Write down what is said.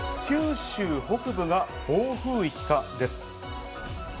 夕方には九州北部が暴風域か、です。